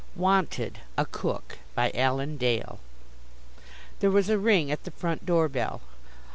WANTED A COOK BY ALAN DALE There was a ring at the front door bell.